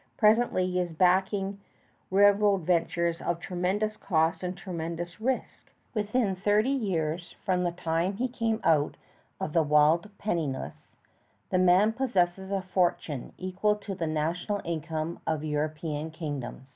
Presently he is backing railroad ventures of tremendous cost and tremendous risk. Within thirty years from the time he came out of the wilds penniless, that man possesses a fortune equal to the national income of European kingdoms.